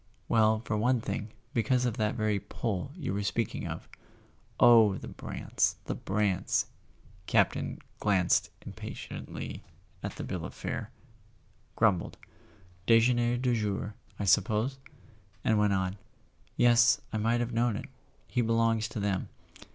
"Well, for one thing, because of that very 'pull' you were speaking of." "Oh, the Brants, the Brants!" Campton glanced impatiently at the bill of fare, grumbled: "Dejeuner du jour , I suppose?" and went on: "Yes; I might have known it—he belongs to them.